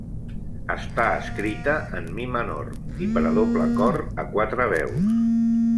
Està escrita en mi menor i per a doble cor a quatre veus.